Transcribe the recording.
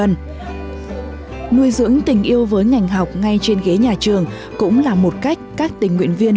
nuôi dưỡng tình yêu với ngành học ngay trên ghế nhà trường cũng là một cách các tình nguyện viên